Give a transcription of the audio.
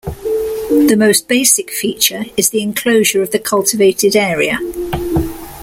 The most basic feature is the enclosure of the cultivated area.